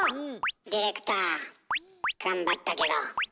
ディレクター頑張ったけど。